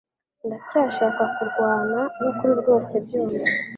Ndacyashaka kurwana nukuri rwose byumve